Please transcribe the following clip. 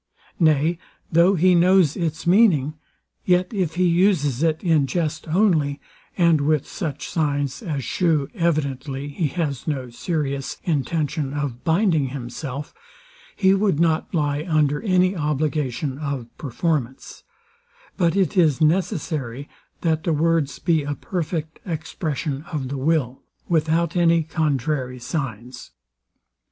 Nay, though he knows its meaning, yet if he uses it in jest only, and with such signs as shew evidently he has no serious intention of binding himself, he would not lie under any obligation of performance; but it is necessary, that the words be a perfect expression of the will, without any contrary signs.